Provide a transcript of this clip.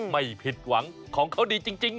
ไม่ผิดหวังของเขาดีจริง